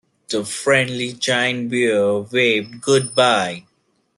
The friendly giant bear waved goodbye.